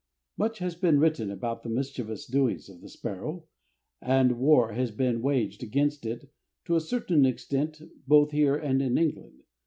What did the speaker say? Much has been written about the mischievous doings of the sparrow, and war has been waged against it to a certain extent both here and in England.